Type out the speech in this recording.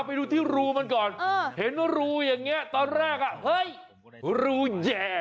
ไปดูที่รูมันก่อนเห็นว่ารูตอนแรกว่าลูแย